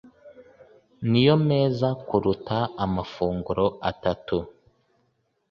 ni yo meza kuruta amafunguro atatu